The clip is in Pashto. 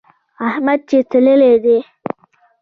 احمد چې تللی دی.